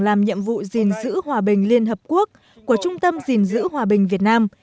làm nhiệm vụ dình dữ hòa bình liên hợp quốc của trung tâm dình dữ hòa bình việt nam